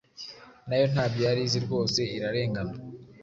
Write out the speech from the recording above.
Nayo ntabyo yarizi Rwose irarengana